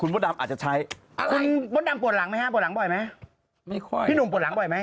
บางคนมึงว่างจัดไปนั่งขยี้ทำไม